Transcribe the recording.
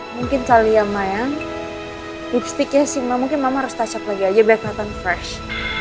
mungkin kali yang mayan lipsticknya simak mungkin mama harus touch up lagi aja biar keliatan fresh